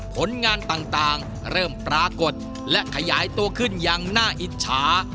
ผลงานต่างเริ่มปรากฏและขยายตัวขึ้นอย่างน่าอิจฉา